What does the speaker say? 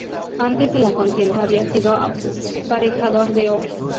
Antes de la contienda había sido aparejador de obras.